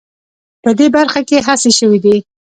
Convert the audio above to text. په دې برخه کې هڅې شوې دي